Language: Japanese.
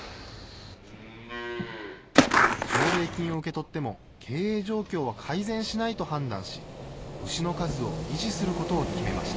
奨励金を受け取っても経営状況は改善しないと判断し、牛の数を維持することを決めました。